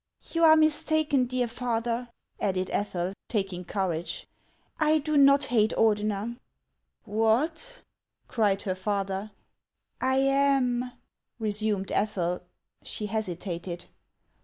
" You are mistaken, dear father," added Ethel, taking courage ;" I do not hate Ordener." " What !" cried her father. " I am —" resumed Ethel. She hesitated.